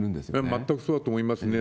全くそうだと思いますね。